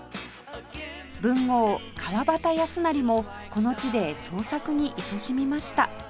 文豪川端康成もこの地で創作にいそしみました